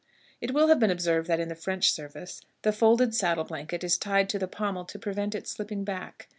It will have been observed that, in the French service, the folded saddle blanket is tied to the pommel to prevent it slipping back.